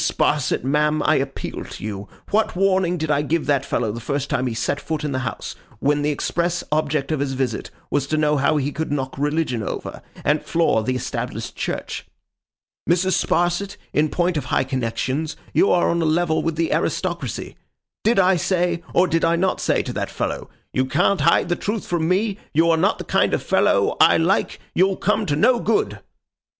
Sparsit, ma'am, I appeal to you. What warning did I give that fellow, the first time he set foot in the house, when the express object of his visit was to know how he could knock Religion over, and floor the Established Church? Mrs. Sparsit, in point of high connexions, you are on a level with the aristocracy,—did I say, or did I not say, to that fellow, "you can't hide the truth from me: you are not the kind of fellow I like; you'll come to no good"?